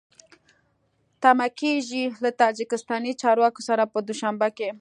تمه کېږي له تاجکستاني چارواکو سره په دوشنبه کې